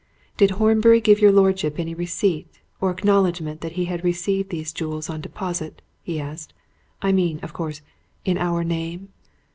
"Did Horbury give your lordship any receipt, or acknowledgment that he had received these jewels on deposit?" he asked. "I mean, of course, in our name?"